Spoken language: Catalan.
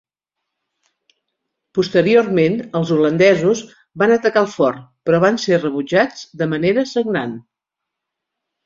Posteriorment, els holandesos van atacar el fort, però van ser rebutjats de manera sagnant.